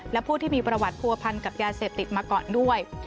และผู้ที่มีประวัติผัวพันกับยาเสพติดมาก่อนด้วย